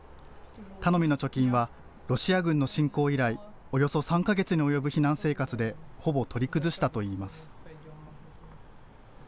頼みの貯金はロシア軍の侵攻以来、およそ３か月に及ぶ避難生活でほぼ取り崩したといいます。